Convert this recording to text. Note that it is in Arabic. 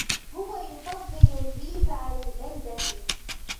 هو يفضل الريف على البلدة.